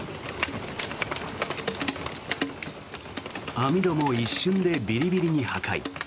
網戸も一瞬でビリビリに破壊。